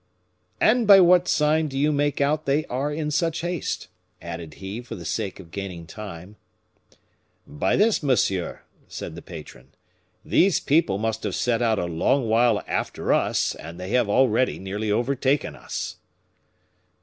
"And by what sign do you make out they are in such haste?" added he, for the sake of gaining time. "By this, monsieur," said the patron; "these people must have set out a long while after us, and they have already nearly overtaken us."